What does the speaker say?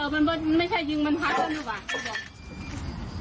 มันไม่ใช่ยิงมันทะเล่นหรือเปล่า